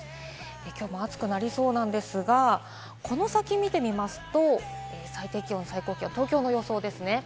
きょうも暑くなりそうなんですが、この先見てみますと、最低気温、最高気温、東京の予想です。